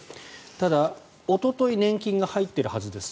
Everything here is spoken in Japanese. ただ、おととい年金が入っているはずです。